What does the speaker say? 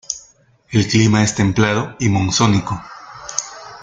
El clima es templado y monzónico.